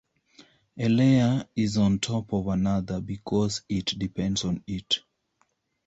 A layer is on top of another, because it depends on it.